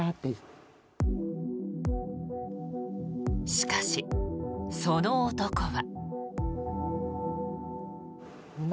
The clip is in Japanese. しかし、その男は。